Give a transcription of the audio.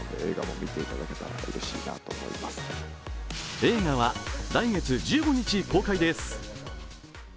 映画は来月１５日、公開です。